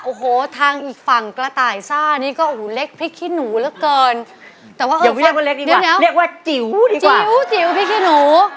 โอ้โหทางอีกฝั่งกระต่ายซ่านี่ก็อู๋เล็กพลิกฮิหนูเหลือเกิน